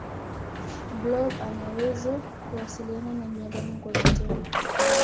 blob anawezo kuwasiliana na binadamu kwa vitendo